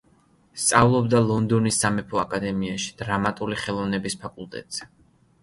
სწავლობდა ლონდონის სამეფო აკადემიაში, დრამატული ხელოვნების ფაკულტეტზე.